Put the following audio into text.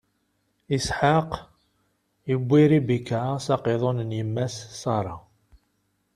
Isḥaq iwwi Ribika s aqiḍun n yemma-s Ṣara.